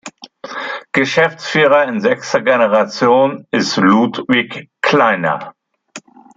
Geschäftsführer in sechster Generation ist Ludwig Kleiner.